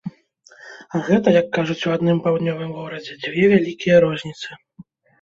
А гэта, як кажуць у адным паўднёвым горадзе, дзве вялікія розніцы.